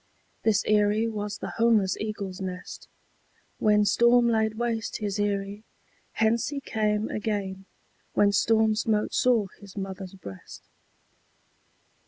This eyrie was the homeless eagle's nest When storm laid waste his eyrie: hence he came Again, when storm smote sore his mother's breast.